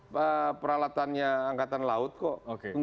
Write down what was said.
peralatannya angkatan laut kok